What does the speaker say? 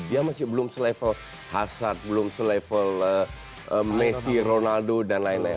dia masih belum se level hazard belum se level messi ronaldo dan lain lain